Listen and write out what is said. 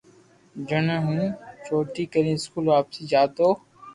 جڻي ھون ڇوٽي ڪرين اسڪول واپس جاتو